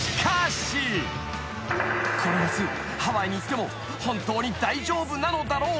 ［この夏ハワイに行っても本当に大丈夫なのだろうか？］